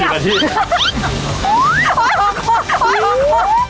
จอ๒นาทีแล้ว